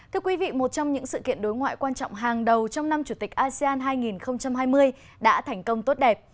thưa quý vị một trong những sự kiện đối ngoại quan trọng hàng đầu trong năm chủ tịch asean hai nghìn hai mươi đã thành công tốt đẹp